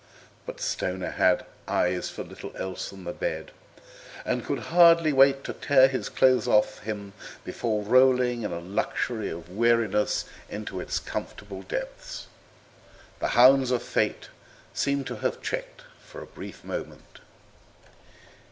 But Stoner had eyes for little else than the bed, and could scarce wait to tear his clothes off him before rolling in a luxury of weariness into its comfortable depths. The hounds of Fate seemed to have checked for a brief moment.